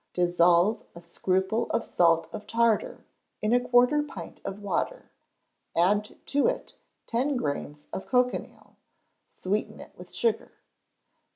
Dissolve a scruple of salt of tartar in a quarter pint of water; add to it ten grains of cochineal; sweeten it with sugar.